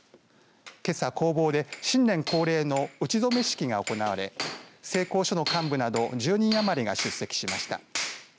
けさ、工房で新年恒例の打ち初め式が行われ製鋼所の幹部など１０人余りが出席しました。